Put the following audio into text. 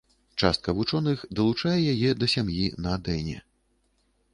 Частка вучоных далучае яе да сям'і на-дэне.